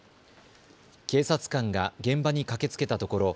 警察官が現場に駆けつけたところ